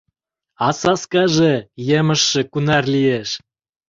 — А саскаже, емыжше кунар лиеш!